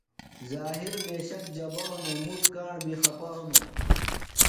زہِیر پِشِیک جبہ ہِنوۡ، مُٹ کاݨ بیۡ خپہ ہِنوۡ